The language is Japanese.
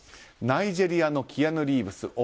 ナイジェリアのキアヌ・リーブス